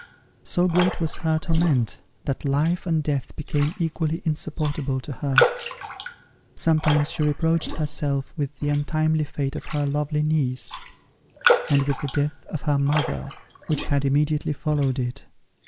So great was her torment, that life and death became equally insupportable to her. Sometimes she reproached herself with the untimely fate of her lovely niece, and with the death of her mother, which had immediately followed it.